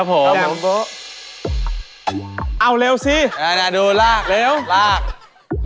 ตั้งที่เลยครับผม